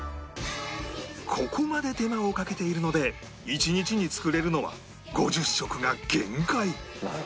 ここまで手間をかけているので１日に作れるのは５０食が限界